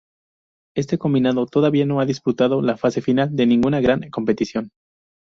Este combinado todavía no ha disputado la fase final de ninguna gran competición.